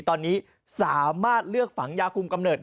ตอนนี้สามารถเลือกฝังยาคุมกำเนิด